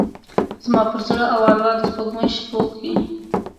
زما پر زړه او اروا د سپوږمۍ شپوکې،